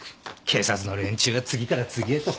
警察の連中は次から次へと。